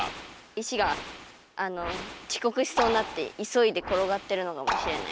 いしがちこくしそうになっていそいでころがってるのかもしれない。